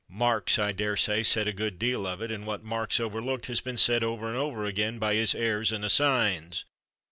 Marx, I daresay, said a good deal of it, and what Marx overlooked has been said over and over again by his heirs and assigns.